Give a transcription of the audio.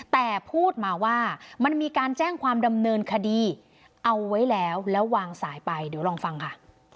แต่พูดมาว่ามันมีการแจ้งความดำเนินคดีเอาไว้แล้วแล้ววางสายไปเดี๋ยวลองฟังค่ะ